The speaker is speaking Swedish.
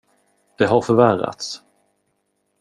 Det har förvärrats.